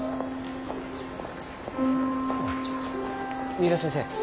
三浦先生